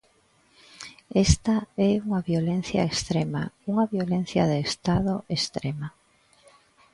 Esta é unha violencia extrema, unha violencia de Estado extrema.